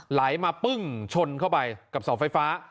ไหลมาปึ้งชนเข้าไปกับเสาไฟฟ้า